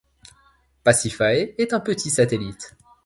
Pasiphaé est un petit satellite.